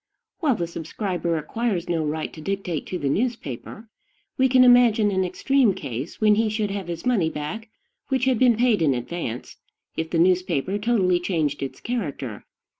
While the subscribes acquires no right to dictate to the newspaper, we can imagine an extreme case when he should have his money back which had been paid in advance, if the newspaper totally changed its character.